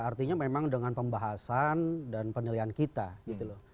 artinya memang dengan pembahasan dan penilaian kita gitu loh